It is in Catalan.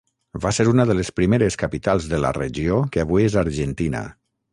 Va ser una de les primeres capitals de la regió que avui és Argentina.